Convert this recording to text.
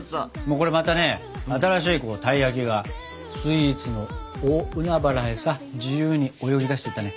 これまたね新しいたい焼きがスイーツの大海原へさ自由に泳ぎだしていったね。